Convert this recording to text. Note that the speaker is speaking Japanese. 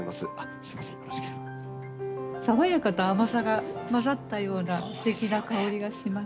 爽やかと甘さが混ざったようなすてきな香りがします。